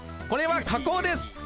これは加工です。